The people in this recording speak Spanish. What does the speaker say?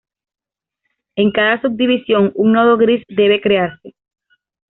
En cada subdivisión un nodo gris debe crearse.